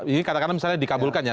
ini katakanlah misalnya dikabulkan ya